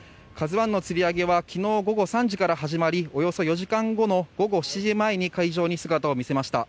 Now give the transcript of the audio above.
「ＫＡＺＵ１」のつり上げは昨日午後３時から始まりおよそ４時間後の午後７時前に海上に姿を見せました。